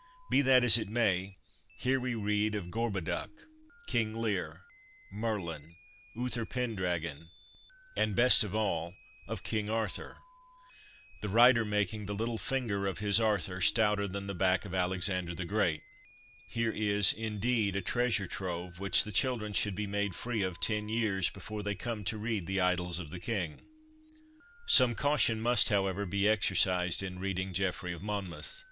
Be that as it may, here we read of Gorboduc, King Lear, Merlin, Uther Pendragon, and, best of all, of King Arthur, the writer making ' the little finger of his Arthur stouter than the back of Alexander the Great/ Here is, indeed, a treasure trove which the children should be made free of ten years before they come to read the Idylls of the King. Some caution must, however, be exercised in reading Geoffrey of Monmouth.